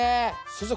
先生